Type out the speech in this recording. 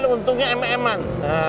tapi untungnya eme emen